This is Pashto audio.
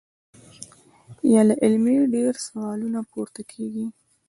يا لا علمۍ ډېر سوالونه پورته کيږي -